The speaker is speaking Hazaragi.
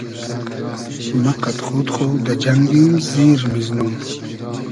مۂ قئد خۉد خو دۂ جئنگیم زیر میزنوم